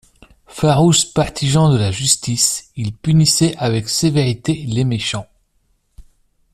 Farouche partisan de la justice, il punissait avec sévérité les méchants.